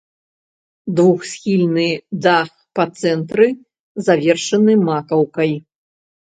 Двухсхільны дах па цэнтры завершаны макаўкай.